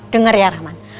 dengar ya raman